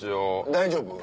大丈夫？